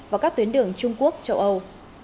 và các tuyến đường trung quốc châu âu